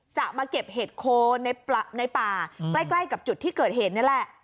จะมาเก็บเห็ดโค้งในปลาในป่าใกล้ใกล้กับจุดที่เกิดเห็นนี่แหละ